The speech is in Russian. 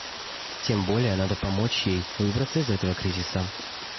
Тем более надо помочь ей выбраться из этого кризиса.